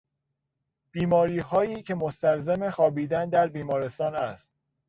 بیماریهایی که مستلزم خوابیدن در بیمارستان است.